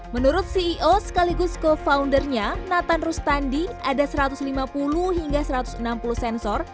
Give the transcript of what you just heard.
menurut ceo sekaligus co foundernya nathan rustandi ada satu ratus lima puluh hingga satu ratus enam puluh sensor